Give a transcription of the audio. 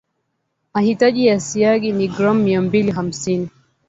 mahitaji ya siagi ni gram mia mbili hamsini